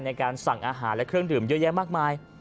ในการสั่งอาหารและเครื่องดื่มเยอะแยะมากมาย